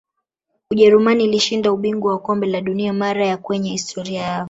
ujerumani ilishinda ubingwa wa kombe la dunia mara ya kwenye historia yao